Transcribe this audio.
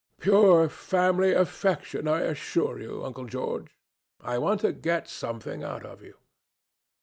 "Pure family affection, I assure you, Uncle George. I want to get something out of you."